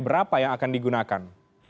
berapa yang akan digunakan